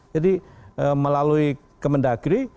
jadi melalui kemendagri